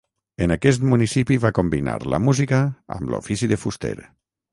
En aquest municipi va combinar la música amb l'ofici de fuster.